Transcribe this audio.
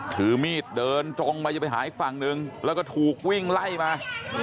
ถือมีดเดินตรงไปหาอีกฝั่งหนึ่งทูกวิ่งไล่มา